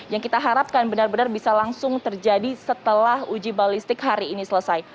yang kita harapkan benar benar bisa langsung terjadi setelah uji balistik hari ini selesai